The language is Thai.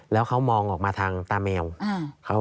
แล้วเขามองออกมาทางตาแมว